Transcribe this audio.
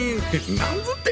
なんつって！